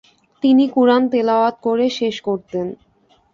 তিনি কুরআন তেলাওয়াত করে শেষ করতেন।